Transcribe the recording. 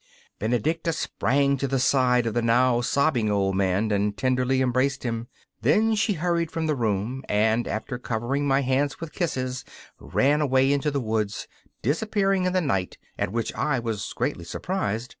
Benedicta sprang to the side of the now sobbing old man and tenderly embraced him. Then she hurried from the room, and after covering my hands with kisses ran away into the woods, disappearing in the night, at which I was greatly surprised.